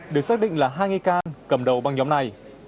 được xác định là hai nghi can cầm đầu băng nhóm này